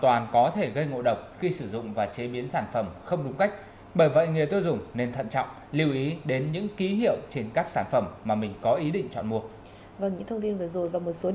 acid benzoic được ký hiệu là hai trăm một mươi